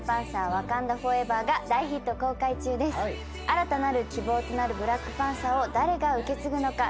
新たなる希望となるブラックパンサーを誰が受け継ぐのか？